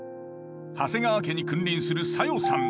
長谷川家に君臨する小夜さん。